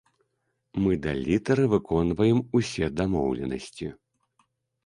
Мы да літары выконваем усе дамоўленасці.